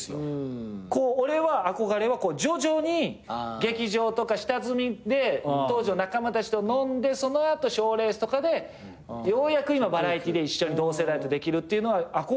俺は憧れは徐々に劇場とか下積みで当時の仲間たちと飲んでその後賞レースとかでようやく今バラエティーで一緒に同世代とできるっていうのは憧れではありますけどね。